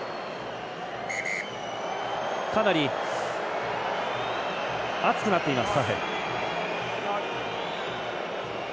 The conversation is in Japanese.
かなり熱くなっています。